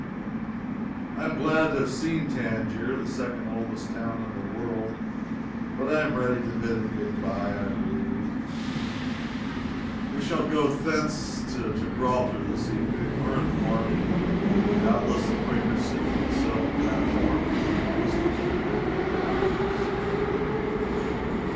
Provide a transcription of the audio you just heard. I am glad to have seen Tangier the second oldest town in the world. But I am ready to bid it good bye, I believe. We shall go hence to Gibraltar this evening or in the morning, and doubtless the __Quaker City__ will sail from that port within the next forty eight hours.